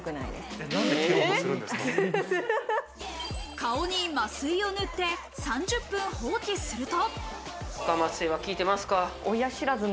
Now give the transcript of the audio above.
顔に麻酔を塗って３０分、放置すると。